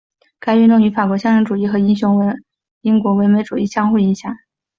该运动与法国象征主义和英国唯美主义相互影响。